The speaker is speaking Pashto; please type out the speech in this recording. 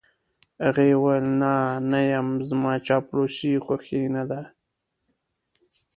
هغې وویل: نه، نه یم، زما چاپلوسۍ خوښې نه دي.